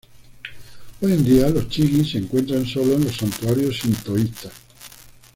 Hoy en día, los chigi se encuentran solo en los santuarios sintoístas.